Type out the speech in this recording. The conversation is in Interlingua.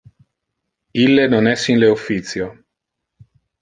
Ille non es in le officio.